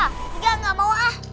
nggak gak mau ah